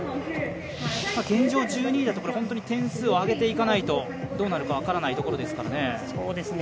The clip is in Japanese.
現状、１２位だと点数を上げていかないとどうなるか分からないところですからね。